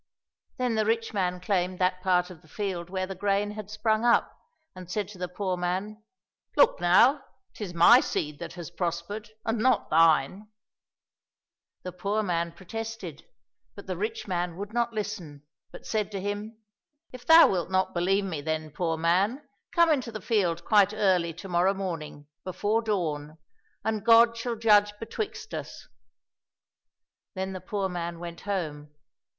Then the rich man claimed that part of the field where the grain had sprung up, and said to the poor man, '* Look now ! 'tis my seed that has prospered, and not thine !" The poor man protested, but the rich man would not listen, but said to him, " If thou wilt not believe me, then, poor man, come into the field quite early to morrow morning, before dawn, and God shall judge betwixt us." Then the poor man went home.